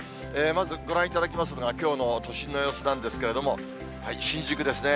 まずご覧いただきますのがきょうの都心の様子なんですけれども、新宿ですね。